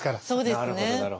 そうですね。